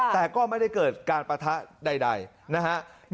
แต่ก็ไม่ได้เกิดการปะทะใดนะฮะ